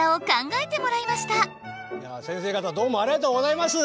いや先生方どうもありがとうございます。